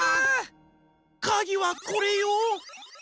かぎはこれよ！